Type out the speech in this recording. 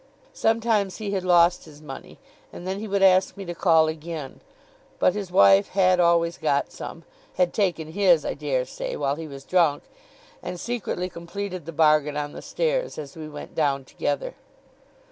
Sometimes he had lost his money, and then he would ask me to call again; but his wife had always got some had taken his, I dare say, while he was drunk and secretly completed the bargain on the stairs, as we went down together.